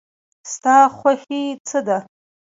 ستا خوښی څه ده؟